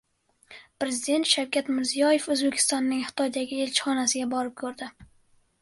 Prezident Shavkat Mirziyoyev O‘zbekistonning Xitoydagi elchixonasini borib ko‘rdi